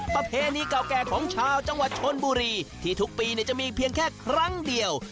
ประเพณีเก่าแก่ของชาวจังหวัดชนบุรีที่ทุกปีจะมีเพียงแค่ครั้งเดียว